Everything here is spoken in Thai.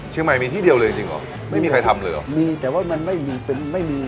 เชียงใหม่มีที่เดียวเลยจริงจริงเหรอไม่มีใครทำเลยเหรอมีแต่ว่ามันไม่มีเป็นไม่มี